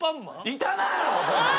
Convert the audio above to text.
いたな！